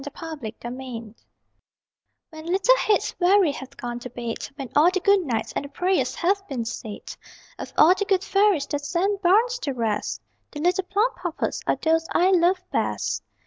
THE PLUMPUPPETS When little heads weary have gone to their bed, When all the good nights and the prayers have been said, Of all the good fairies that send bairns to rest The little Plumpuppets are those I love best.